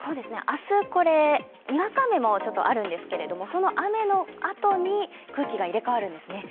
明日、これにわか雨もちょっとあるんですけどその雨のあとに空気が入れかわるんですね。